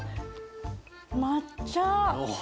抹茶。